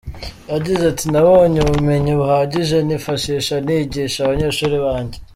Yagize ati “Nabonye ubumenyi buhagije nifashisha nigisha abanyeshuri banjye.